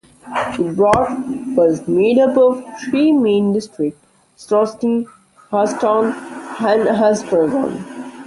The borough was made up of three main districts: Shoreditch, Hoxton and Haggerston.